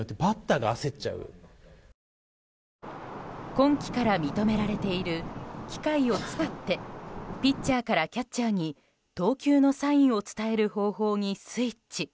今季から認められている機械を使ってピッチャーからキャッチャーに投球のサインを伝える方法にスイッチ。